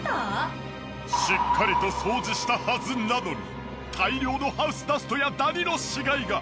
しっかりと掃除したはずなのに大量のハウスダストやダニの死骸が！